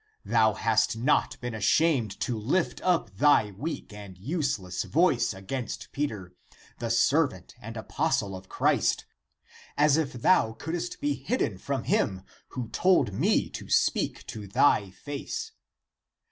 Thou hast not been ashamed to lift up thy weak and useless voice ACTS OF PETER 79 against Peter, the servant and apostle of Christ, as if thou coLildst be hidden from him who told me to speak to thy face.